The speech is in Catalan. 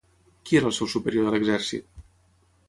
Qui era el seu superior de l'exèrcit?